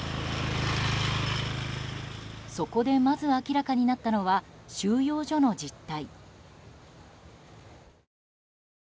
そこでまず明らかになったのは収容所の実態。